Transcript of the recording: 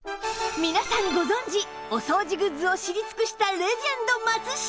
皆さんご存じお掃除グッズを知り尽くしたレジェンド松下